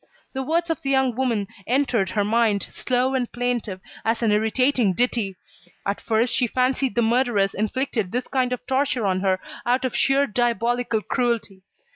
The words of the young woman entered her mind, slow and plaintive, as an irritating ditty. At first, she fancied the murderers inflicted this kind of torture on her out of sheer diabolical cruelty.